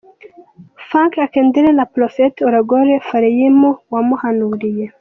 Funke Akindele na Prophete Olagoroye Faleyimu wamuhanuriye.